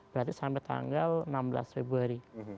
berarti sampai tanggal enam belas februari